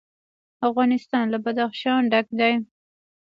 افغانستان له بدخشان ډک دی.